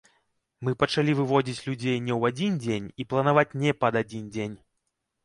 Мы пачалі выводзіць людзей не ў адзін дзень і планаваць не пад адзін дзень.